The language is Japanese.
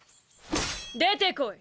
出てこい。